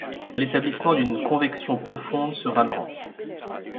L'établissement d'une convection profonde sera lente.